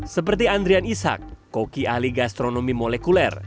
seperti andrian ishak koki ahli gastronomi molekuler